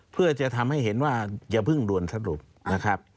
เพื่อจะทำให้เห็นว่าอย่าเพิ่งด่วนสรุปนะครับ